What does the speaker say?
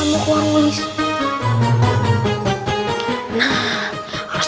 nah harus diberikan